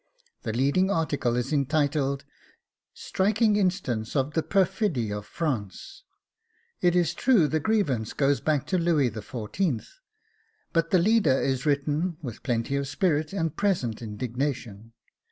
The leading article is entitled 'Striking Instance of the PERFIDY of France.' It is true the grievance goes back to Louis XIV., but the leader is written with plenty of spirit and present indignation.